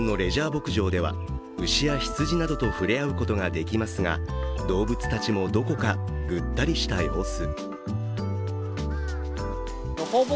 牧場では牛や羊などと触れ合うことができますが動物たちも、どこかぐったりした様子。